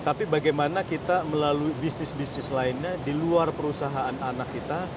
tapi bagaimana kita melalui bisnis bisnis lainnya di luar perusahaan anak kita